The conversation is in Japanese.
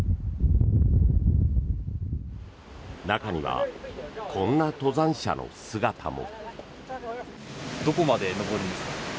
中には、こんな登山者の姿も。